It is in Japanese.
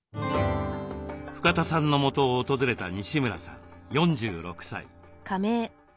深田さんのもとを訪れた西村さん４６歳。